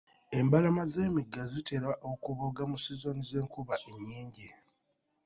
Embalama z'emigga zitera okubooga mu sizoni z'enkuba ennyingi .